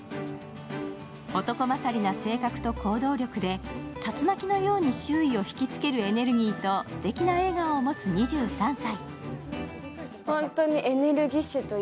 男勝りな性格と行動力で竜巻のように周囲を引きつけるエネルギーとすてきな笑顔を持つ２３歳。